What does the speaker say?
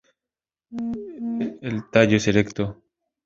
El tallo es erecto.